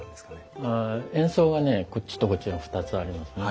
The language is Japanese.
円相がねこっちとこっちに２つありますね。